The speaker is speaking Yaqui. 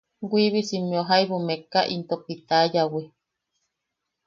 Wiibisimmeu jaibu mekka into pitayawi.